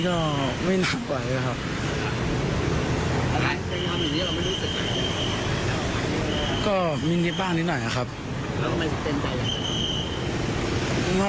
จริงคือตอนแรกเดียวฉันนึกว่าน้องใส่เสื้อแขนยาวสีฟ้า